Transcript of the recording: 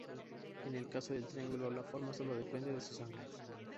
En el caso del triángulo, la forma solo depende de sus ángulos.